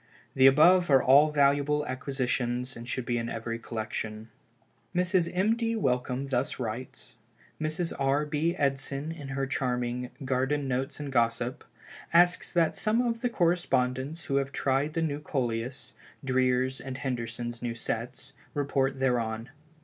The above are all valuable acquisitions and should be in every collection." Mrs. M. D. Wellcome thus writes: "Mrs. R. B. Edson in her charming 'Garden Notes and Gossip,' asks that some of the correspondents who have tried the new Coleus, Dreer's and Henderson's new sets, report thereon.